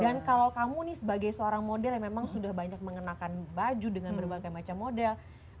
kalau kamu nih sebagai seorang model yang memang sudah banyak mengenakan baju dengan berbagai macam model